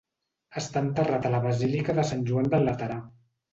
Està enterrat a la basílica de Sant Joan del Laterà.